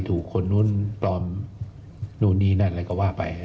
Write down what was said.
ถูกคนนู้นปลอมนู่นนี่นั่นอะไรก็ว่าไป